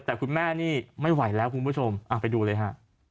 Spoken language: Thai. แต่คุณแม่นี่ไม่ไหวแล้วคุณผู้ชมไปดูเลยฮะ